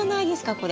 これ。